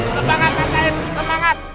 semangat mas sain semangat